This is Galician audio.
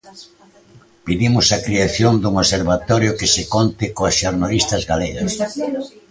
Pedimos a creación dun observatorio, que se conte coas Xornalistas Galegas.